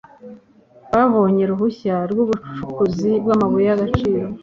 babonye uruhushya rw'ubucukuzi bw'amabuye y'agaciro